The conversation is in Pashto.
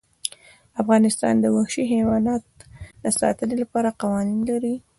افغانستان د وحشي حیوانات د ساتنې لپاره قوانین لري.